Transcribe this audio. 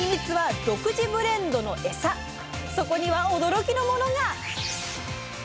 そこには驚きのものが！